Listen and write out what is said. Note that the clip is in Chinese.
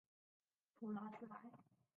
普拉斯莱。